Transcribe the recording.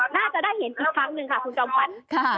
น่าจะได้เห็นอีกครั้งหนึ่งค่ะคุณจอมขวัญ